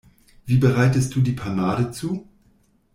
Wie bereitest du die Panade zu?